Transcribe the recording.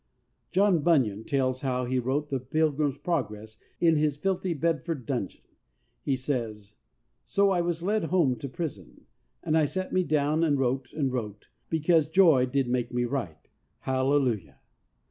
John Bunyan tells us how he wrote the "Pilgrim's Progress" in his filthy Bedford dungeon. He says, "So I was led home to prison, and I sat me down and wrote and wrote because joy did make me write." Hallelujah!